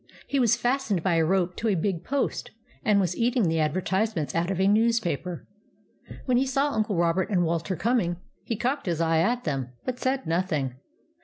He was fas tened by a rope to a big post, and was eat ing the advertisements out of a newspaper. When he saw Uncle Robert and Walter coming, he cocked his eye at them, but said nothing.